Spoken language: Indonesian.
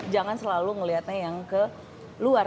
jangan selalu melihatnya yang ke luar